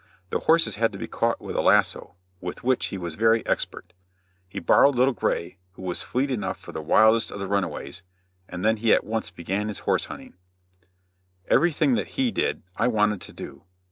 The horses had to be caught with a lasso, with which he was very expert. He borrowed Little Gray, who was fleet enough for the wildest of the runaways, and then he at once began his horse hunting. [Illustration: EXCITING SPORT.] Everything that he did, I wanted to do.